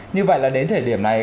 như vậy là đến thời điểm này